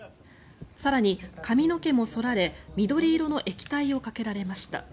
更に髪の毛も剃られ緑色の液体をかけられました。